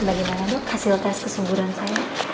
bagaimana dok hasil tes kesungguran saya